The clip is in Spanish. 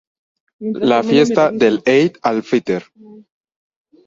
La fiesta del Eid al-Fitr.